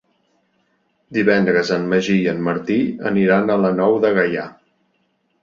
Divendres en Magí i en Martí aniran a la Nou de Gaià.